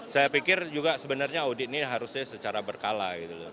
saya pikir juga sebenarnya audit ini harusnya secara berkala